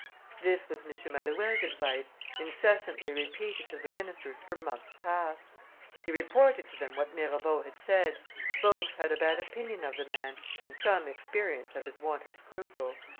This was M. Malouet's advice, incessantly repeated to the ministers for months past; he reported to them what Mirabeau had said; both had a bad opinion of the man and some experience of his want of scruple.